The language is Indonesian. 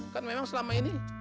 kan memang selama ini